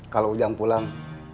kalau ujang pulang